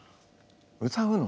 歌うの？